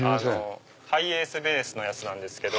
ハイエースベースなんですけど。